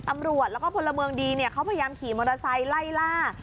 ตำรวจแล้วก็พลเมืองดีเขาพยายามขี่มอเตอร์ไซค์ไล่ล่า